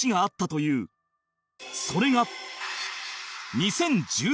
それが